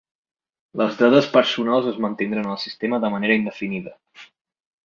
Les dades personals es mantindran en el sistema de manera indefinida.